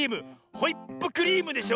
「ホイップクリーム」でしょ。